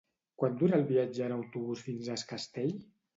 Quant dura el viatge en autobús fins a Es Castell?